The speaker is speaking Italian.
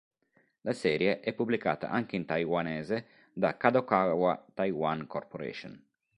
La serie è pubblicata anche in taiwanese da Kadokawa Taiwan Corporation.